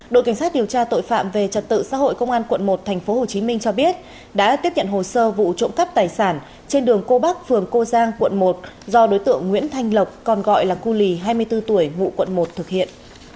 đội cảnh sát điều tra tội phạm về trật tự xã hội công an quận một tp hcm cho biết đã tiếp nhận hồ sơ vụ trộm cắp tài sản trên đường cô bắc phường cô giang quận một do đối tượng nguyễn thanh lộc còn gọi là cu lì hai mươi bốn tuổi ngụ quận một thực hiện